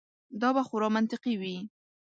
دا به خورا منطقي وي.